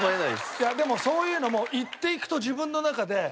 いやでもそういうのも言っていくと自分の中で。